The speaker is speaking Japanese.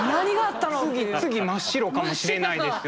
次真っ白かもしれないですよ。